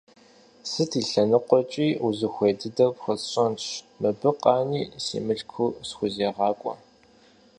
Сыт и лъэныкъуэкӀи узыхуей дыдэр пхуэсщӀэнщ, мыбы къани си мылъкур схузегъакӀуэ.